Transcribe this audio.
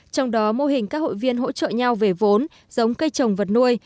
trong đó mô hình các hội viên hỗ trợ nhau về vốn giống cây trồng vật nuôi